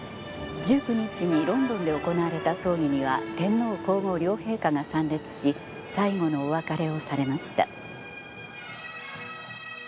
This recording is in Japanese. １９日にロンドンで行われた葬儀には天皇皇后両陛下が参列し最後のお別れをされました。